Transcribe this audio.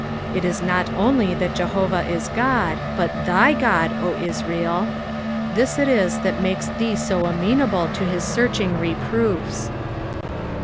It is not only that Jehovah is Ood, but thy God, O Iwacl ; this it is that makes thee so amenable to }aa searching reproofs.